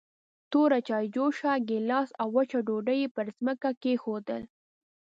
توره چايجوشه، ګيلاس او وچه ډوډۍ يې پر ځمکه کېښودل.